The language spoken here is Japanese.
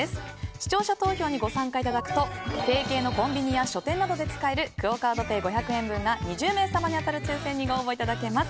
視聴者投票にご参加いただくと提携のコンビニや書店などで使えるクオ・カードペイ５００円分が２０名様に当たる抽選にご応募いただけます。